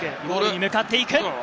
ゴールに向かっていく。